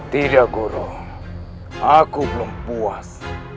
tidak guru aku belum puas